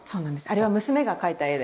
あれは娘が描いた絵で。